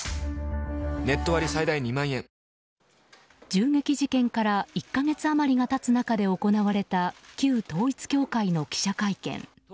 銃撃事件から１か月余りが経つ中で行われた旧統一教会の記者会見。